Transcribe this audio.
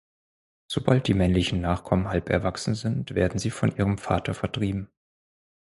Sobald die männlichen Nachkommen halb erwachsen sind, werden sie von ihrem Vater vertrieben.